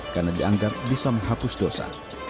karena dianggap bisa menghapus dosa